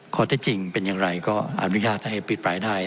ข้อเท็จจริงเป็นอย่างไรก็อนุญาตให้อภิปรายได้